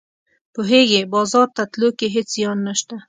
پوهیږې بازار ته تلو کې هیڅ زیان نشته